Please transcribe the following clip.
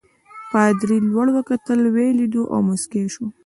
پادري لوړ وکتل ویې لیدو او مسکی شو.